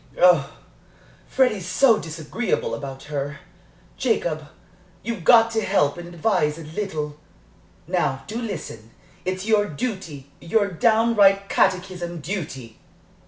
Oh, Freddie's so disagreeable about her. Jacob, you've got to help and advise a little. Now, do listen. It's your duty your downright catechism duty."